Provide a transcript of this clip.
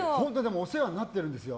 お世話になっているんですよ